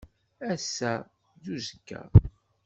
Ass-a d uzekka.